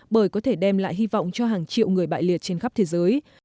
bởi có thể đem lại hy vọng cho hàng triệu người bại liệt trên khắp thế giới